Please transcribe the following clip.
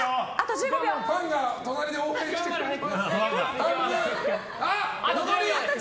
ファンが隣で応援してるよ。